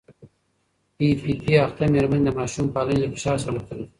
پي پي پي اخته مېرمنې د ماشوم پالنې له فشار سره مخ کېږي.